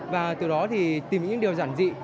và từ đó thì tìm những điều giản dị